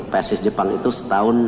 pssi jepang itu setahun